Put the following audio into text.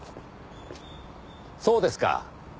そうですか。